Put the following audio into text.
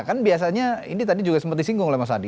kan biasanya ini tadi juga sempat disinggung oleh mas adi